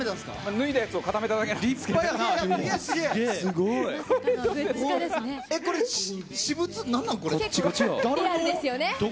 脱いだやつを固めただけなんですけど。